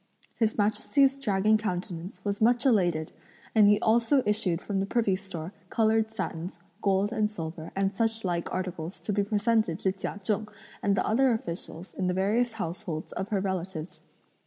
His Majesty's dragon countenance was much elated, and he also issued from the privy store coloured satins, gold and silver and such like articles to be presented to Chia Cheng and the other officials in the various households of her relatives.